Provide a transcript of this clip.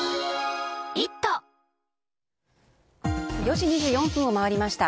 ４時２４分を回りました。